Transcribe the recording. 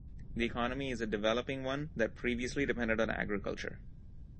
The economy is a developing one that previously depended on agriculture.